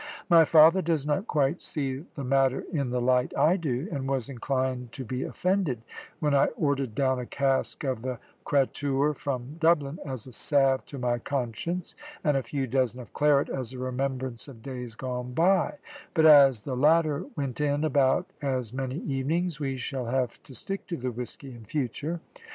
My father does not quite see the matter in the light I do, and was inclined to be offended when I ordered down a cask of the cratur from Dublin, as a salve to my conscience, and a few dozen of claret, as a remembrance of days gone by; but as the latter went in about as many evenings, we shall have to stick to the whisky in future.